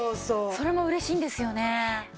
それも嬉しいんですよね。